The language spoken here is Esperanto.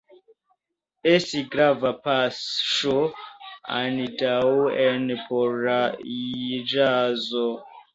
Estis grava paŝo antaŭen por la ĵazo.